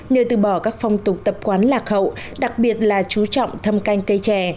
nhờ từ bỏ các phong tục tập quán lạc hậu đặc biệt là chú trọng thâm canh cây trè